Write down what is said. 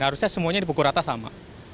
harusnya semuanya di bogor rata sama